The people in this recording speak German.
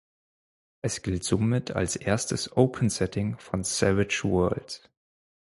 Es gilt somit als erstes “Open Setting” von Savage Worlds.